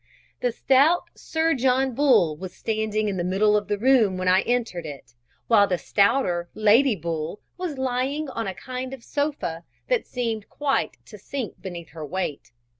The stout Sir John Bull was standing in the middle of the room when I entered it, while the stouter Lady Bull was lying on a kind of sofa, that seemed quite to sink beneath her weight.